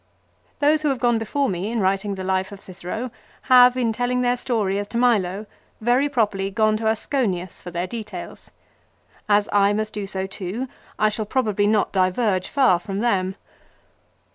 Those who have gone before me in writing the life of Cicero have, in telling their story as to Milo, very properly gone to Asconius for their details. As I must do so too, I shall probably not diverge far from them.